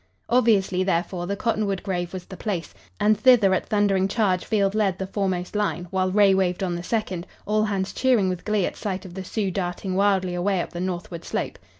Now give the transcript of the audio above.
Obviously, therefore, the cottonwood grove was the place, and thither at thundering charge Field led the foremost line, while Ray waved on the second, all hands cheering with glee at sight of the Sioux darting wildly away up the northward slope.